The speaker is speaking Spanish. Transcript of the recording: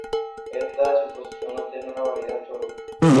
Esta suposición no tiene una validez absoluta.